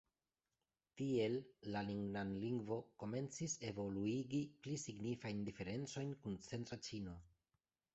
Tiel la Lingnan-lingvo komencis evoluigi pli signifajn diferencojn kun centra ĉino.